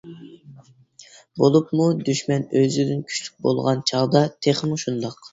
بولۇپمۇ دۈشمەن ئۆزىدىن كۈچلۈك بولغان چاغدا تېخىمۇ شۇنداق.